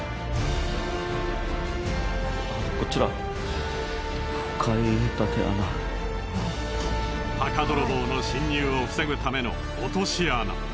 こちら墓泥棒の侵入を防ぐための落とし穴。